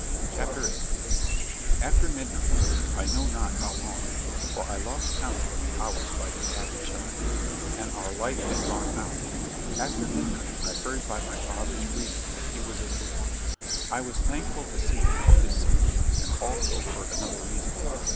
CHAPTER VIII After Midnight I know not how long, for I lost count of the hours by the Abbey chimes, and our light had gone out after midnight I heard by my father's breathing that he was asleep. I was thankful to see it for his sake, and also for another reason.